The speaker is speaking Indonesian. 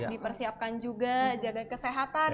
dipersiapkan juga jaga kesehatan